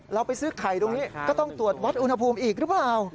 เราไปซื้อไข่ตรงนี้ก็ต้องตรวจวัดอุณหภูมิอีกหรือเปล่า